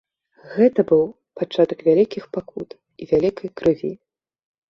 Гэта быў пачатак вялікіх пакут і вялікай крыві.